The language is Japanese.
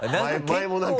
前も何か。